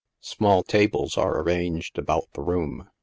Small tables are arranged about the room.